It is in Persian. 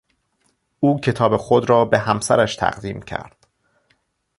او کتاب خود را به همسرش تقدیم کرد.